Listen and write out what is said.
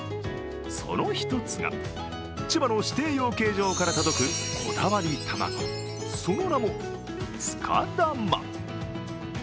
その１つが、千葉の指定養鶏場から届くこだわり卵、その名も、塚だま。